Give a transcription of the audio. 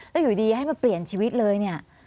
แล้วอยู่ดีให้มาเปลี่ยนชีวิตเลยเนี่ย